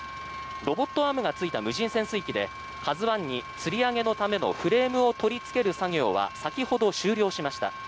ロボットアームがついた無人潜水機で「ＫＡＺＵ１」につり上げのためのフレームを取りつける作業は先ほど終了しました。